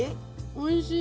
おいしい？